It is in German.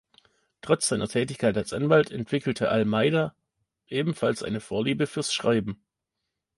Trotz seiner Tätigkeit als Anwalt entwickelte Almeida ebenfalls eine Vorliebe fürs Schreiben.